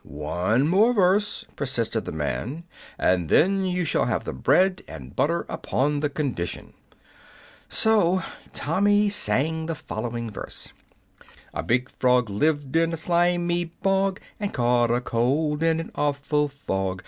"One more verse," persisted the man, "and then you shall have the bread and butter upon the condition." So Tommy sang the following verse: "A big frog lived in a slimy bog, And caught a cold in an awful fog.